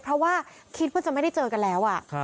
เพราะว่าคิดว่าจะไม่ได้เจอกันแล้ว